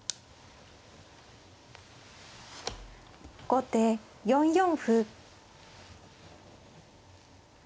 後手４四歩。